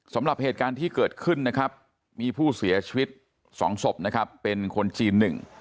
สำหรับเหตุการณ์ที่เกิดขึ้นมีผู้เสียชีวิต๒ศพเป็นคนจีน๑